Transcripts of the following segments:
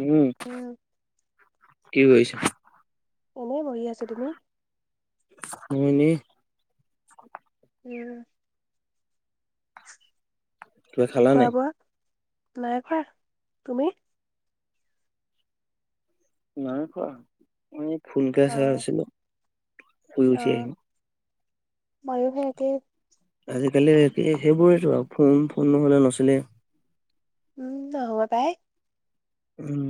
উম কি কৰিছ? এনেই বহি আছো তুমি? মই এনেই। উম কিবা খালা খোৱা নাই? বোৱা নাই খোৱা, তুমি? নাই খোৱা, মই এই ফোনকে চাই অ'। আছিলো শুই উঠি আহি। অ', ময়ো হে একেই। আজিকালি সেইবোৰেতো আৰু ফোন ফোন নহলে নচলে। উম, নহব পাই উম,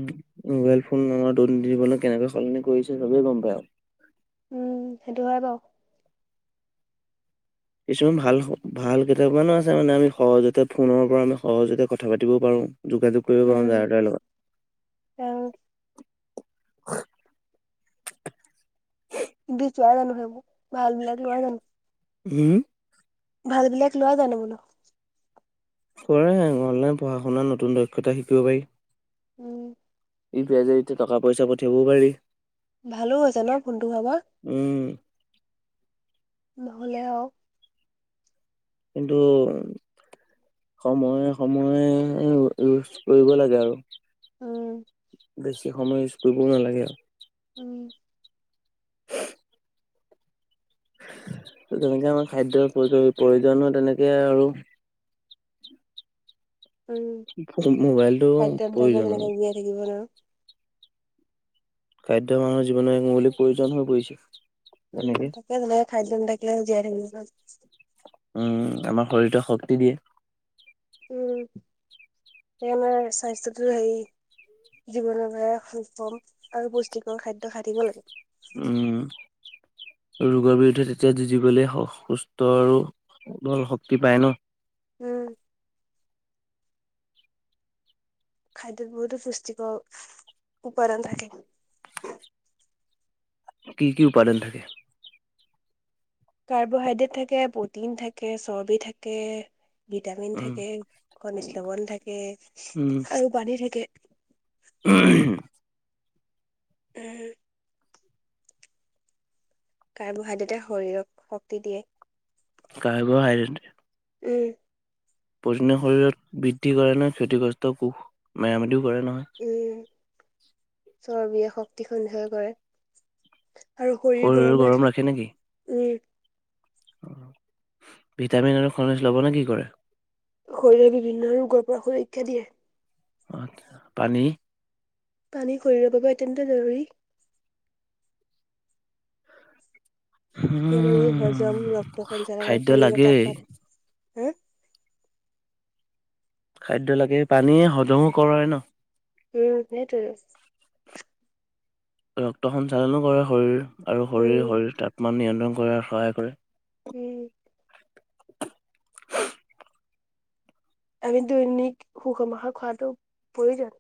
মোবাইল ফোন আমাৰ দুৰ্নীতি জীৱন কেনেকে সলনি কৰিছে ছবে গম পায় আও। উম, সেইটো হয় বাও। কিছুমান ভাল- ভাল কেটামানো আছে মানে আমি সহজতে ফোনৰ পৰা আমি সহজতে কথা পাতিব পাৰোঁ। যোগাযোগ কৰিব উম, পাওঁ জাৰ তাৰ লগত। বি যোৱা জানো সেইবোৰ, ভাল বিলাক লোৱা জানো? উম -হ ভাল বিলাক লোৱা জানো বোলো কৰে আৰু অনলাইন পঢ়া- শুনাত নতুন দক্ষতা শিকিব পাৰি। উম উপিয়াই যে টকা -পইচা পঠিয়াব পাৰি। ভালো হৈছে ন' ফোনটো হোৱা পা উম, নহ'লে আও কিন্তু সময়ে- সময়ে এইবোৰ ইউজ কৰিব লাগে আৰু অহ বেছি সময় ইউচ কৰিবও নালাগে আও। উম যেনেকে আমাৰ খাদ্যৰ প্ৰয়-প্ৰয়োজন তেনেকে আৰু উম, মোবাইলটো খাদ্য নাথাকিলে প্ৰয়োজনৰ তেনেকে জীয়াই থাকিব নোৱাৰো। খাদ্য মানুহৰ জীৱনৰ এক মৌলিক প্ৰয়োজন হৈ পৰিছে। উম, তেনেকে তাকে তেনেকে খাইযেন থাকিলে জীয়াই থাকিব [unintelligible] উম, আমাৰ শৰীৰতে শক্তি দিয়ে। উম, এ আমাৰ স্বাস্থ্যটো হেৰি জীৱনৰ পৰা সক্ষম আৰু পুষ্টিকৰ খাদ্য খাই থাকিব লাগে। উম ৰোগৰ বিৰুদ্ধে তেতিয়া যুঁজিবলৈ সুস্থ আৰু সবল শক্তি পায় ন'। উম খাদ্যত বহুতো পুষ্টিকৰ উপাদান থাকে। কি -কি উপাদান থাকে? কাৰ্বহাইড্ৰেট থাকে, প্ৰটিন থাকে, চৰ্বি থাকে ভিটামিন উম থাকে, খনিজ লৱন থাকে আৰু পানী থাকে। উ [unintelligible] উ [unintelligible] কাৰ্বহাইড্ৰেটে শৰীৰক শক্তি দিয়ে। কাৰ্ব- হাইড্ৰেট উম প্ৰটিনে শৰীৰত বৃদ্ধি কৰে নহয়, ক্ষতিগ্ৰস্ত কোষ মেৰামতিও কৰে নহয়। উম। চৰ্বিয়ে শক্তি সন্ধই কৰে। আৰু শৰীৰ গৰম ৰাখে উম। ভিটামিন আৰু খনিজলৱনে কি কৰে? শৰীৰে বিভিন্ন ৰোগৰ পৰা সুৰক্ষা দিয়ে। আটচা পানী? পানী শৰীৰৰ বাবে অত্যন্ত জৰুৰী। কিয়নো ই উম হজম ৰক্ত সঞ্চালনৰ খাদ্য লাগেই শৰীৰত [unintelligible] খাদ্য লাগে পানীয়ে হজমো কৰাই ন'। উম, সেইটোয়ে। ৰক্ত সঞ্চালনো কৰে শৰীৰ আৰু শৰীৰ উম -শৰীৰ তাপমান নিয়ন্ত্ৰণ কৰাত সহায় কৰে। উম আমি দৈনিক সুখ -মখা খোৱাটো প্ৰয়োজন।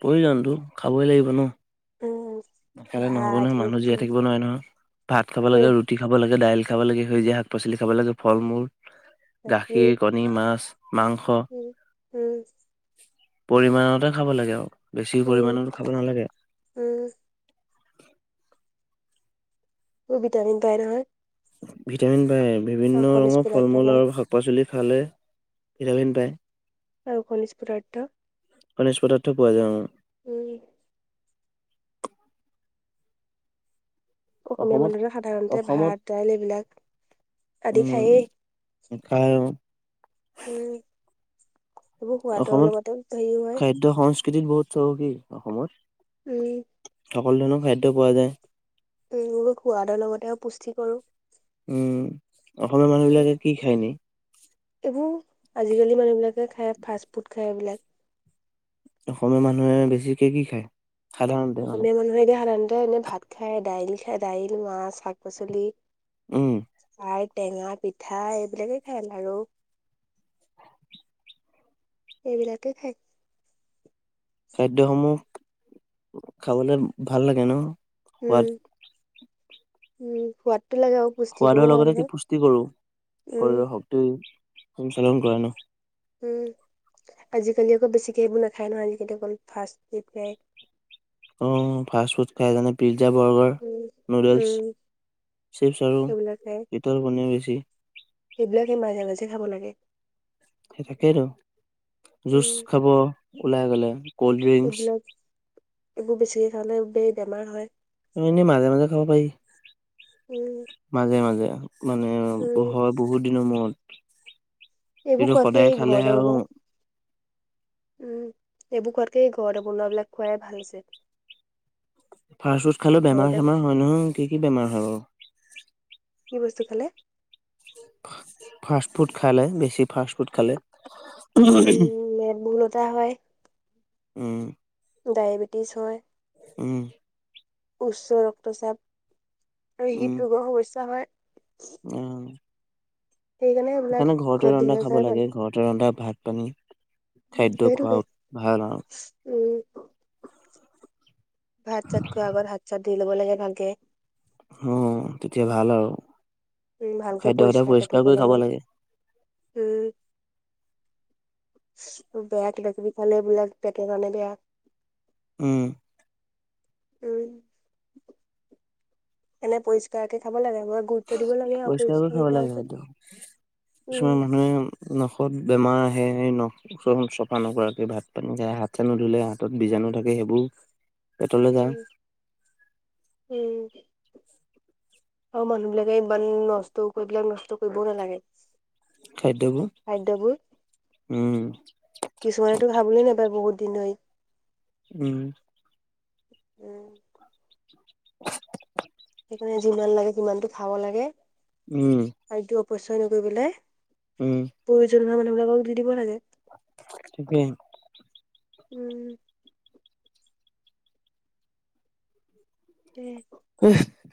প্ৰয়োজনতো খাবই লাগিব ন',। উম নাখালে নহ'ব ভাত নহয় মানুহ ৰুটি জীয়াই থাকিব নোৱাৰে নহয়। ভাত খাব সেই লাগে ৰুটি খাব লাগে দাইল খাব লাগে, সেউজীয়া শাক পাচলি খাব লাগে, ফল মূল, গাখীৰ, কণী, মাছ। মাংস উম উম। পৰিমাণতে খাব লাগে আৰু বেছি উম পৰিমাণতো খাব নালাগে। বি ভিটামিন পাই নহয়। ভিটামিন পায়, আৰু বিভিন্ন খনিজ ৰঙৰ ফল পদাৰ্থ মূল পায় আৰু শাক পাচলিত খালে ভিটামিন পাই। আৰু খনিজ পদাৰ্থ। খনিজ পদাৰ্থ পোৱা যায় অ। উম। অসমীয়া অসমত মানুহৰে সাধাৰণতে অসমত ভাত, দাইল এইবিলাক আদি উম, খায় খাই উম। এইবোৰ সোৱাদৰ অসমত লগতে হেৰি হয় খাদ্য সংস্কৃতিত বহুত চহকি অসমত। উম। সকলো ধৰণৰ খাদ্য পোৱা যায়। উম সোৱাদৰ লগতে পুষ্টিকৰো। উম, অসমৰ মানুহ বিলাকে কি খাই এনি? এইবোৰ আজিকালি মানুহবিলাকে খাই ফাষ্ট ফুড খায় এইবিলাক। অসমীয়া মানুহে বেছিকে কি খায়? সাধাৰণতে মানে অসমীয়া মানুহে এতিয়া সাধাৰণতে এনে ভাত খায়, দাইল খাই, দাইল মাছ, শাক পাচলি। উম। খাৰ টেঙা পিঠা এইবিলাকে খায় আৰু এইবিলাকেই খাই। খাদ্যসমূহ খাবলে ভাল লাগে ন? সোৱাদ উম উম সোৱাত সোৱাদৰ লগতে কি পুষ্টি কৰো, উম শৰীৰৰ শক্তি সঞ্চালন কৰে ন? উম। আজিকালি আক বেছিকে সেইবোৰ নাখায় নহয় আজিকালি অকল ফাষ্ট ফুড খায়। অ ফাষ্ট ফুড খাই জানে প পিজ্জা, বাৰ্গাৰ, উম নুডলছ, উম চিপছ আৰু পিতল পনীয় বেছি। সেইবিলাকে মাজে মাজে খাব লাগে। সেই তাকেই আৰু জুচ উম খাব ওলাই গ'লে কল্ড এইবিলাক ড্ৰিংকচ এইবোৰ বেছিকে খালে বে বেমাৰ হয়। এনেই মাজে মাজে খাব পাৰি উম মাজে মাজে। মানে উম হয় বহুত দিনৰ মূৰত এইবো কিন্তু খোৱাতকে সদায় এই খালে ঘৰতে আৰু বনোৱা। উম এইবোৰ খোৱাতকে ঘৰতে বনোৱাবলাক খোৱাই ভাল আছে। ফাষ্ট ফুড খালেও বেমাৰ ঘৰতে চেমাৰ হয় নহয় কি কি বেমাৰ হয় বাৰু? কি বস্তু খালে? ফাষ্ট ফুড খালে বেছি ফাষ্ট ফুড খালে। উম মেদবহুলতা হয়। উম। ডায়েবেটিছ হয়। উম। উচ্চ ৰক্তচাপ আৰু হৃদ ৰোগৰ সমস্যা হয়। উম্। এইবিলাক সেইকাৰণে ঘৰতে ঘৰত ৰন্ধা বিনাজ খাব ভাল লাগে ঘৰতে ৰন্ধা ভাত পানী। খাদ্য সেইটোকে খোৱাও ভাল আও। উম ভাত চাতকৈ আগত হাত চাত ধুই ল'ব লাগে ভালকে। অ তেতিয়া ভাল আও। উম ভালকে পৰিষ্কাৰকে থব লাগে উম। বেগ লাগবি খালে বোলে পেটৰ কাৰণে বেয়া। উম। উন। এনে পৰিষ্কাৰকে খাব লাগে। মই গুৰুত্ব দিব লাগে আৰু পৰিষ্কাৰ কৰি পৰিষ্কাৰকে খাব খোৱাৰ লাগে ওপৰত বাইত, উম কিছুমান মানুহে উম্ ন খত বেমাৰ আহে স নখ ওখ চফা নকৰাকে ভাত পানী খাই, হাত চাত নুধুলে হাতত বীজাণু থাকে। সেইবোৰ। পেটলে যায় উম উম। আৰু মানুহ বিলাকে ইমান নষ্ট কৰি নষ্ট কৰিবও নালাগে। খাদ্যবোৰ খাদ্যয়বোৰ উম কিছুমানেতো খাবলৈ নাপায় বহুত। দিনৈত উম। উম। [unintelligible] মানে যিমান লাগে সিমানটো খাব লাগে। উম। পইচা কৰি পেলাই, প্ৰয়োজন হোৱা মানুহ বিলাকক দি দিব লাগে। থিকেই। উম। দে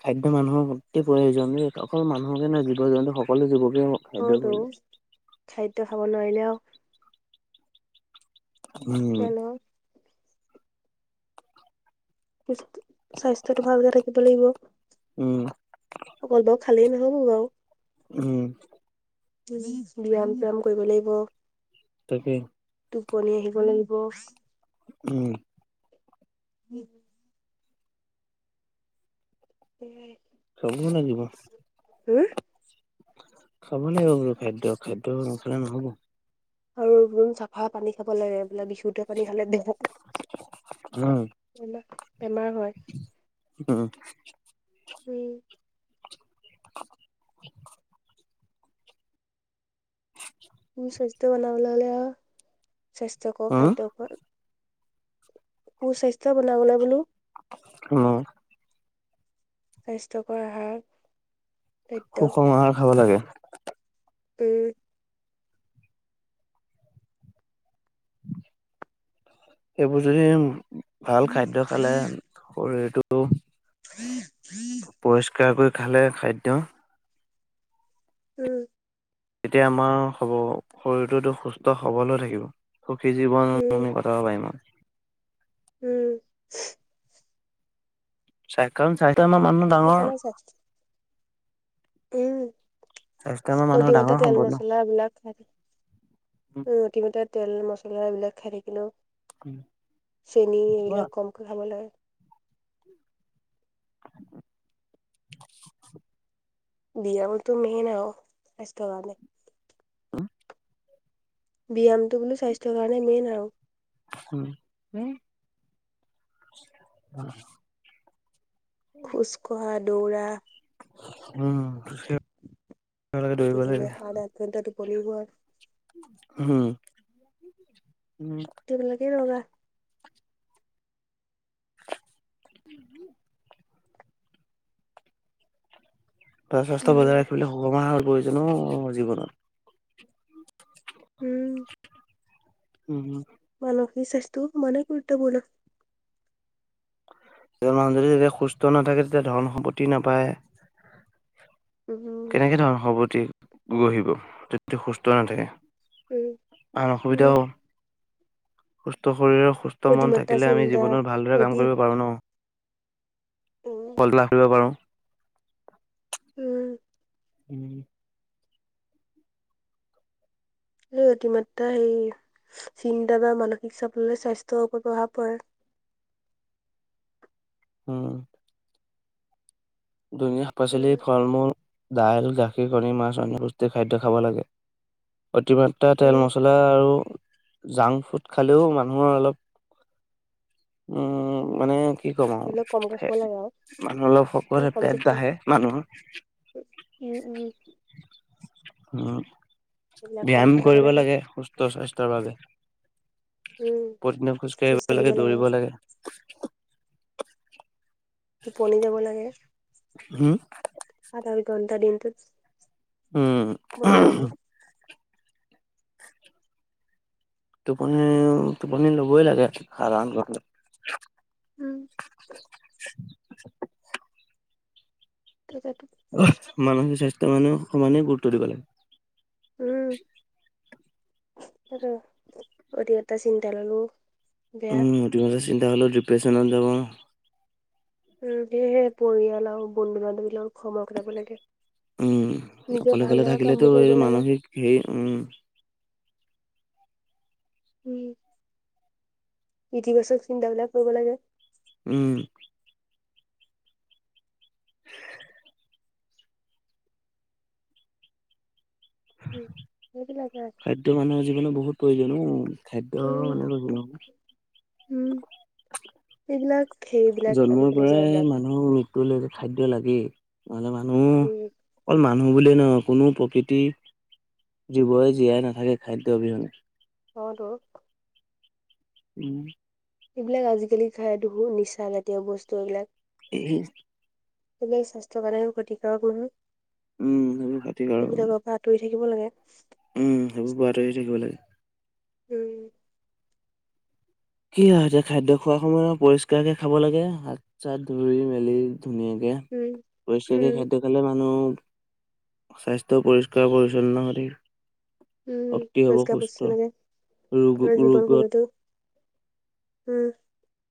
খাদ্য মানুহৰ অতি প্ৰয়োজন যে অকল মানুহকে নহয় জীৱ জন্তু সকলো জীৱ জন্তু খাদ্যৰ অতো প্ৰয়োজন। খাদ্য খাব নোৱাৰিলেও উম মানুহৰ স্বাস্থ্যটো ভালকে থাকিব লাগিব উম। অকল বাৰু খালেই নহ'ব বাও। উম বিৰাম চিৰাম কৰিব লাগিব। তাকে। টোপনি আহিব লাগিব। উম উম এয়াই খাব লাগিব। খাব লাগিব বুলো খাদ্য খাদ্য নাখালে নহ'ব। আৰু এইবোন চাফা পানী খাব লাগে, এইবিলাক ইচু লোটা পানী খালে দেহাটো অহ উম মোৰ স্বাস্থ্য বনাবলৈ হ'লে আৱ স্বাস্থ্যকৰ উম খাদ্য খোৱা সুস্বাস্থ্য বনাবলৈ বোলো উম স্বাস্থ্যকৰ আহাৰ তথ্য সুষম আহাৰ খাব লাগে। উম এইবোৰ যদি ভাল খাদ্য খালে শৰীৰটো [unintelligible] পৰিষ্কাৰ কৰি খালে খাদ্য। উম তেতিয়া আমাৰ হ'ব শৰীৰটোতো সুস্থ সবল হৈ থাকিব। সুখী জীৱন উম আমি কটাব পাৰিম আৱ উম চা কাৰণ চাৰিটা মান মানুহ ডাঙৰ সেইকাৰণে চাই উম স্বাস্থ্য আমাৰ মানুহৰ অধিক মাত্ৰাত ডাঙৰ তেল সম্পদ ন। মচলা এই বিলাক খাই থা, উম অধিক মাত্ৰাত তেল মচলা এইবিলাক খাই থাকিলেও, চেনি এইবিলাক কমকৈ খাব লাগে। বিয়ামতো মেইন আৰু স্বাস্থ্যৰ কাৰণে। উমো ব্যায়ামটো বোলো স্বাস্থ্যৰ কাৰণে মেইন আৰু উম উম। খোজকঢ়া দৌৰা। উম, খোজকাঢ়িব দৌৰিব লাগে প্ৰতিদিনে সাত আঠ ঘণ্টা টোপনি গোৱা, হম। তে মতলে কি ৰোগা। উম হম। ত স্বাস্থ্য বজাই উম ৰাখিবলৈ শুভ মাহ প্ৰয়োজনো জীৱনত। উম। উম হুম। মানসিক স্বাস্থ্য‌ও সমানে গুৰুত্বপূৰ্ণ। মানুহ যদি যেতিয়া সুস্থ নাথাকে তেতিয়া ধন সম্পত্তি নাপায়। উম কেনেকে ধৰণৰ সৱতি গঢ়িব যদি সুস্থ নাথাকে। উম আন উম অসুবিধাও সুস্থ। শৰীৰৰ সুস্থ মন অতিমাত্ৰা থাকিলে আমি চিন্তা জীৱনত ভালদৰে কাম অধিক কৰিব পাৰোঁ ন। উম পল লাভ কৰিব পাৰো। উম। উম। উম অতিমাত্ৰা হেৰি চিন্তা বা মানসিক চাপলৈ স্বাস্থ্যৰ ওপৰত প্ৰভাৱ পৰে। উম। দুুনীয়া শাক পাচলি উম ফল মূল। দাইল, গাখীৰ, কণী, মাছ অন্যপুষ্টিৰ খাদ্য খাব লাগে। অতিমাত্ৰা তেল উম মচলা আৰু জাংক ফুড খালেও মানুহৰ অলপ উম মানে। কি ক'ম আৰু সেইবিলাক কমকে খাব লাগে আৰু মানুহ অলপ হওঁক সেই কমকে পেট খাব বাঢ়ে মানুহৰ উম উম উম এইবিলাক কমকে ব্যায়ামৰ খাব কৰিব লাগে সুস্থ স্বাস্থ্যয়ৰ বাবে উম পতিদিনে খোজ কাঢ়িব লাগে, দৌৰিব লাগে। টোপনি যাব লাগে। হম। আট ঘন্টা দিনতো। উম। টোপনি টোপনি ল'বই লাগে সাধাৰণ উম। [unintelligible] তাকেতো মানসিক স্বাস্থ্য মানে সমানে গুৰুত্ব দিব লাগে। উম। অতি এটা চিন্তা ললো। বেয়া উম অতিমাত্ৰা চিন্তা হলেওঁ ডিপ্ৰেশচনত যাব। উ সেয়েহে পৰিয়াল আৰু বন্ধু বান্ধৱীলক সময় কটাব লাগে। উম নিজৰ অকলে ভাল কলে লগা থাকিলেতো কামবোৰ কৰিব এই লাগে মানসিক হেৰি উম। উম ইতিবাচক চিন্তাবিলাক কৰিব লাগে। উম। [unintelligible] উম [unintelligible] সেইবিলাকে খাদ্য মানহ য। মানে বহুত প্ৰয়োজন অঁ খাদ্য উম, মানে। একলাখ। জন্মৰ পৰাই মানুহৰ ৰূপ তো লৈকে যে খাদ্য লাগেই। নহলে মানুহ উম, অকল মানুহ। বুলিয়ে নহয় কোনো প্ৰকৃতি জীৱৰে জীয়াই নাথাকে খাদ্য অবিহনে। অঁ ত। উম। এইবিলাক আজিকালি খাই বহু নিচা জাতীয় বস্তু এইবিলাক। এই। সব স্বাস্থ্য কাৰণে ক্ষতিকাৰক কোনো। উম সেইবোৰ খতি আৰু আঁতৰি থাকিব লাগে। উম, সেইবোৰ পোৱাত ধৰি থাকিব লাগে। উম। কি হয় এতিয়া খাদ্য খোৱাৰ সময়ত পৰিষ্কাৰকে খাব লাগে হাত চাত ধুই মেলি ধুনীয়াকে উম, পৰিষ্কাৰকে উম, খাদ্য খালে মানুহ। স্বাস্থ্য পৰিষ্কাৰ পৰিচ্ছন্ন কৰি। উম, শক্তি হ'ব পৰিষ্কাৰ সুস্থ পৰিচ্ছন্নকে ঘৰৰ জীৱন ৰোগ-ৰোগত। শৈলীটো উম।